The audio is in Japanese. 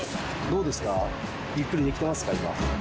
どうですか？